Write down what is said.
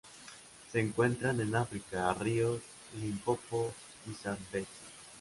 Se encuentran en África: ríos Limpopo y Zambeze.